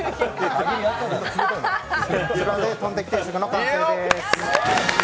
こちらでとんテキ定食の完成です。